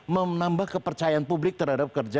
menambah kepercayaan publik terhadap kerja